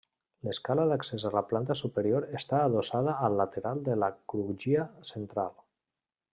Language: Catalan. L'escala d'accés a la planta superior està adossada al lateral de la crugia central.